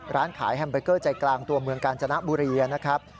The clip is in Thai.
ร้านขายแฮมเบอร์เกอร์ใจกลางตัวเมืองกาญจนบุรีนะครับ